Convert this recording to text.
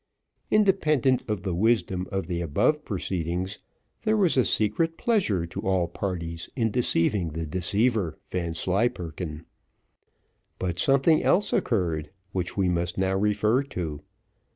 Independent of the wisdom of the above proceedings, there was a secret pleasure to all parties in deceiving the deceiver Vanslyperken. But something else occurred which we must now refer to.